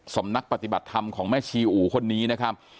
สำนักปฏิบัติธรรมของแม่ชีอู๋คนนี้นะครับ